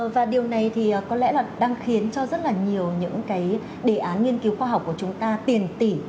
và điều này thì có lẽ là đang khiến cho rất là nhiều những cái đề án nghiên cứu khoa học của chúng ta tiền tỷ